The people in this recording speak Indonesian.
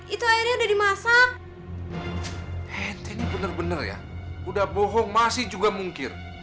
itu airnya udah dimasak